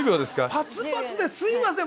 パツパツですみません。